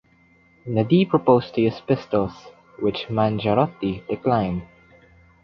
Nadi proposed to use pistols, which Mangiarotti declined.